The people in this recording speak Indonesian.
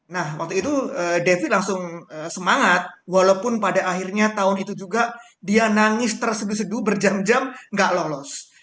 nah waktu itu devi langsung semangat walaupun pada akhirnya tahun itu juga dia nangis terseduh seduh berjam jam nggak lolos